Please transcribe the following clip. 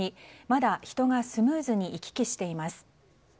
まだ人がスムーズに行き来しています。